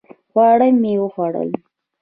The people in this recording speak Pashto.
خواړه مې وخوړل